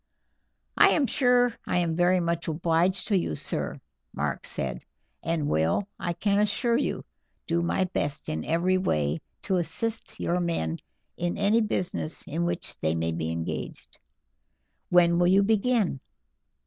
"I am sure I am very much obliged to you, sir," Mark said, "and will, I can assure you, do my best in every way to assist your men in any business in which they may be engaged." "When will you begin?"